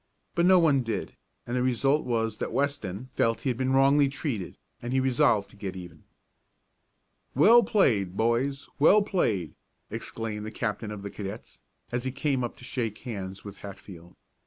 But no one did, and the result was that Weston felt he had been wrongly treated, and he resolved to get even. "Well played, boys, well played!" exclaimed the captain of the cadets, as he came up to shake hands with Hatfield.